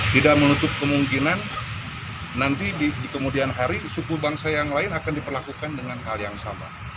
tidak menutup kemungkinan nanti di kemudian hari suku bangsa yang lain akan diperlakukan dengan hal yang sama